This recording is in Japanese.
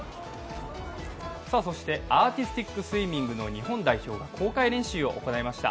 そして、アーティスティックスイミングの日本代表が公開練習を行いました。